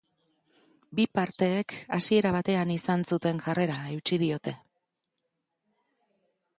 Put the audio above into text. Bi parteek hasiera batean izan zuten jarrera eutsi diote.